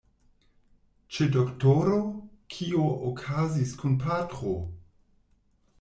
Ĉe doktoro? Kio okazis kun patro?